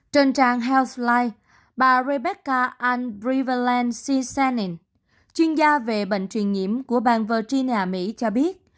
trên trang healthline bà rebecca ann breverland c sennin chuyên gia về bệnh truyền nhiễm của bang virginia mỹ cho biết